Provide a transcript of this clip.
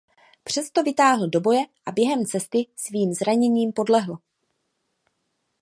Přesto vytáhl do boje a během cesty svým zraněním podlehl.